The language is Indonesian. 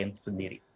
untuk klien sendiri